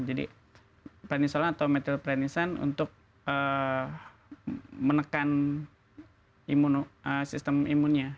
jadi platnisolon atau methyl platinisan untuk menekan sistem imunnya